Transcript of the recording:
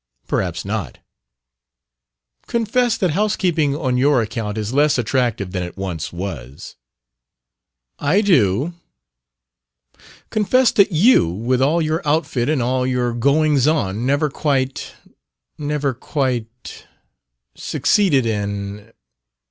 "Perhaps not." "Confess that housekeeping on your own account is less attractive than it once was." "I do. Confess that you, with all your outfit and all your goings on, never quite never quite succeeded in..."